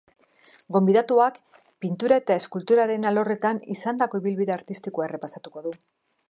Gonbidatuak pintura eta eskulturaren alorretan izandako ibilbide artistikoa errepasatuko du.